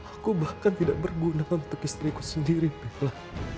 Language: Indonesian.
aku bahkan tidak berguna untuk istriku sendiri bella